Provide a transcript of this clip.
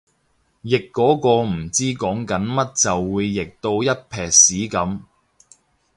譯嗰個唔知講緊乜就會譯到一坺屎噉